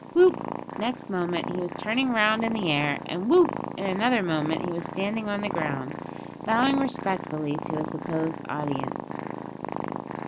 Whoop! next moment he was turning round in the air; and whoop! in another moment he was standing on the ground, bowing respectfully to a supposed audience.